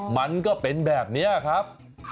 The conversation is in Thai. มันก็เป็นแบบนี้ครับ